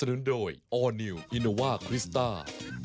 ทีมงานเอาของหวานเสิร์ฟเลย